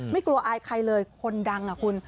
ไม่กลัวอายใครเลยคนดังอ่ะคุณ